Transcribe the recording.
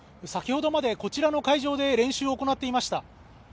先ほどまでこちらの会場で練習を行っていました。